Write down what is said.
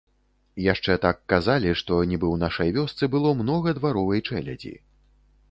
Яшчэ так казалі, што нібы ў нашай вёсцы было многа дваровай чэлядзі.